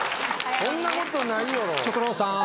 そんなことない。